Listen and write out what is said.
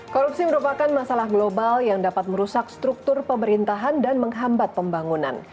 korupsi merupakan masalah global yang dapat merusak struktur pemerintahan dan menghambat pembangunan